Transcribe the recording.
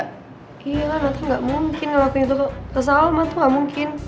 gila nathan gak mungkin ngelakuin itu ke salma tuh gak mungkin